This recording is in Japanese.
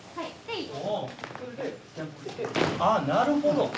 ああなるほど！